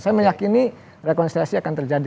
saya meyakini rekonsiliasi akan terjadi